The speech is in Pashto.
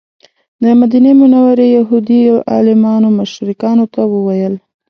د مدینې منورې یهودي عالمانو مشرکانو ته وویل.